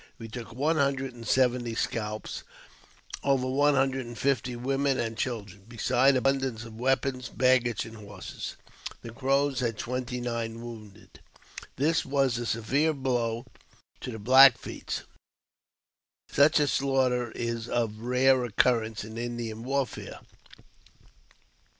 We took one hundred and seventy scalps, over one hundred and fifty women and children, besides abundance of weapons, baggage, and horses. The Crows had twenty nine wounded. This was a severe blow to the Black Feet ; such a slaughter is of rare occurrence in Indian warfare.